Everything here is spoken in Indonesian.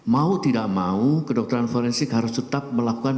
mau tidak mau kedokteran forensik harus tetap melakukan